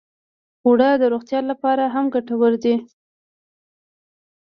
اوړه د روغتیا لپاره هم ګټور دي